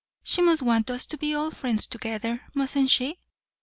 She must want us to be all friends together, mustn't she?"